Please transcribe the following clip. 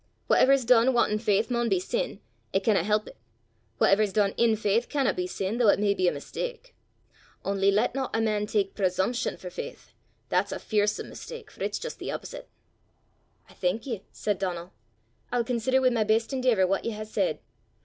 Whatever's dune wantin' faith maun be sin it canna help it; whatever's dune in faith canna be sin, though it may be a mistak. Only latna a man tak presumption for faith! that's a fearsome mistak, for it's jist the opposite." "I thank ye," said Donal. "I'll consider wi' my best endeevour what ye hae said."